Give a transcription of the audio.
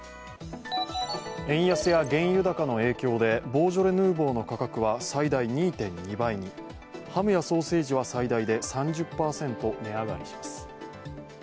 円安や原油高の影響でボージョレ・ヌーボーの価格は最大２．２倍に、ハムやソーセージは最大で３０％値上がりします。